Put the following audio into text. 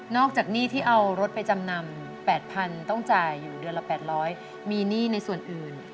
จากหนี้ที่เอารถไปจำนำ๘๐๐๐ต้องจ่ายอยู่เดือนละ๘๐๐มีหนี้ในส่วนอื่น